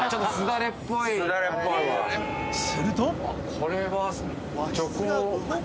すると！